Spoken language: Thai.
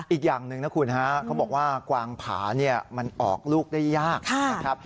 อีกอย่างหนึ่งนะคุณฮะเขาบอกว่ากวางผาเนี่ยมันออกลูกได้ยากนะครับ